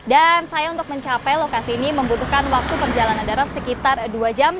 dan saya untuk mencapai lokasi ini membutuhkan waktu perjalanan darat sekitar dua jam dari pusat kota sanggata